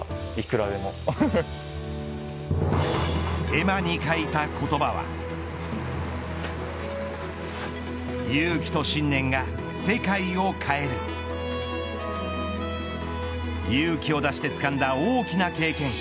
絵馬に書いた言葉は勇気と信念が世界を変える勇気を出してつかんだ大きな経験。